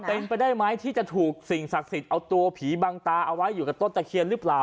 เป็นไปได้ไหมที่จะถูกสิ่งศักดิ์สิทธิ์เอาตัวผีบังตาเอาไว้อยู่กับต้นตะเคียนหรือเปล่า